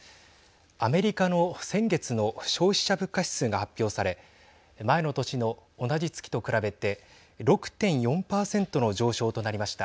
アメリカの先月の消費者物価指数が発表され前の年の同じ月と比べて６．４％の上昇となりました。